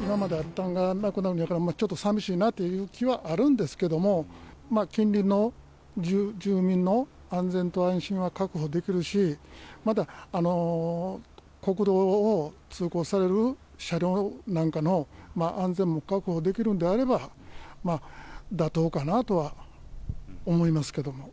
今まであったんがなくなるのだから、ちょっと寂しいなという気はあるんですけども、近隣の住民の安全と安心は確保できるし、また国道を通行される車両なんかの安全も確保できるんであれば、妥当かなとは思いますけども。